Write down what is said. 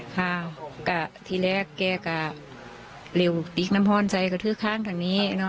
ค่ะกะทีแรกแก่กะเร็วติ๊กน้ำพรใส่กะทื้อข้างทางเนี่ยเนอะ